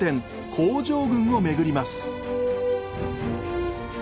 工場群を巡ります。